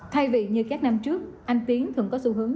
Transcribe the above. thay vì như các năm trước anh tiến thường có xu hướng